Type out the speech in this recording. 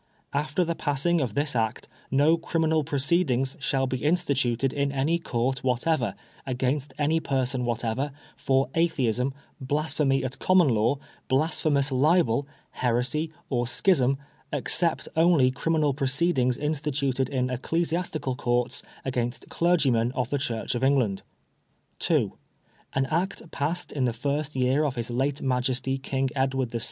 After the passing of this Act no criminal proceedings shall be instituted in any Court whatever, against any person whatever, for Atheism, blasphemy at common law, blasphemous libel, heresy, or schism, except only criminal proceedings in stituted in Ecclesiastical Courts against clergymen of the Church of England. " 2. An Act passed in the first year of his late Majesty King Edward VL, c.